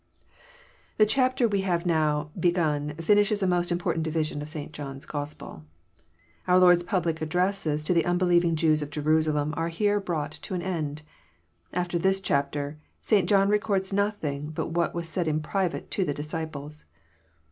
The chapter we have now began finishes a most im portant division of St. John's Gospel. Our Lord's public addresses to the unbelieving Jews of Jerusalem are here brought to an end. AfLer this chapter, St. John records nothing but what was said in private to the disciples.